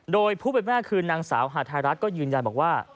โดยผู้เป็นแม่คือนางสาวหาไทยรัฐก็ยืนยันบอกว่า